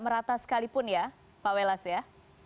merata sekalipun ya pak welas ya